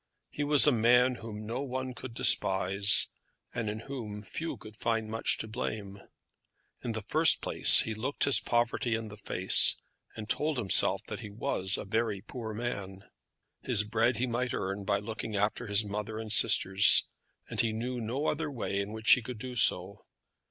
He was a man whom no one could despise, and in whom few could find much to blame. In the first place he looked his poverty in the face, and told himself that he was a very poor man. His bread he might earn by looking after his mother and sisters, and he knew no other way in which he could do so.